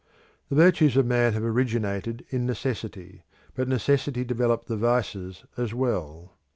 The virtues of man have originated in necessity; but necessity developed the vices as well.